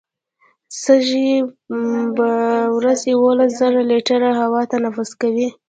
سږي په ورځ یوولس زره لیټره هوا تنفس کوي.